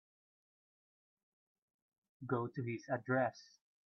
Go to this address.